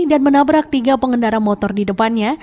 dan menabrak tiga pengendara motor di depannya